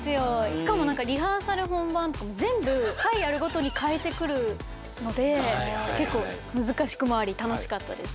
しかも何かリハーサル本番とか全部回やるごとに変えてくるので結構難しくもあり楽しかったですね。